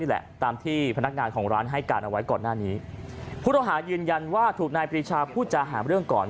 แหละตามที่พนักงานของร้านให้การเอาไว้ก่อนหน้านี้ผู้ต้องหายืนยันว่าถูกนายปรีชาพูดจาหาเรื่องก่อน